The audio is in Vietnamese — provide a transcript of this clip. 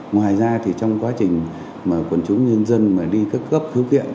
ngoài ra thì trong quá trình mà quần chúng nhân dân đi cấp cấp khứ kiện